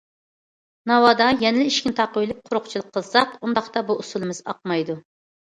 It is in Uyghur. ناۋادا يەنىلا ئىشىكنى تاقىۋېلىپ قورۇقچىلىق قىلساق، ئۇنداقتا، بۇ ئۇسۇلىمىز ئاقمايدۇ.